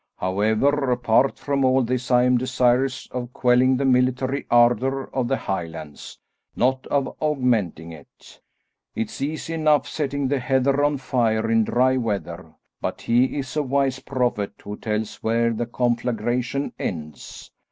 However, apart from all this I am desirous of quelling the military ardour of the Highlands, not of augmenting it. It's easy enough setting the heather on fire in dry weather, but he is a wise prophet who tells where the conflagration ends.